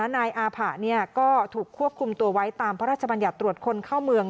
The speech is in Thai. นายอาผะก็ถูกควบคุมตัวไว้ตามพระราชบัญญัติตรวจคนเข้าเมือง